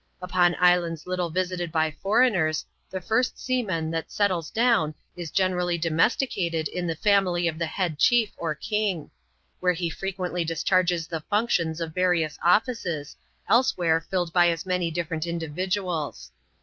Upon islands little visited bj foreigners, the first seanum tiiat settles down is generally domesticated in the famikf of the head chief or king ; where he frequently discharges the fane* tions of varions offices, elsewhere filled by as many different individuals.